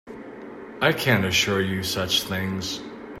I can't assure you such things.